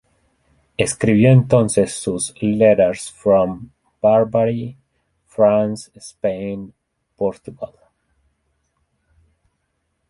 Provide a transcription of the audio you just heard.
Escribió entonces sus "Letters from Barbarie, France, Spain, Portugal...".